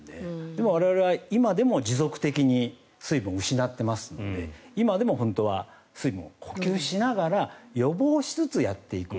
我々は今でも持続的に水分を失っていますので今でも、本当は水分を補給しながら予防しつつやっていく。